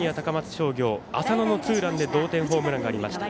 商業浅野のツーランで同点ホームランがありました。